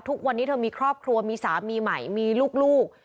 ทุกวันนี้เธอมีครอบครัวมีสามีใหม่มีลูก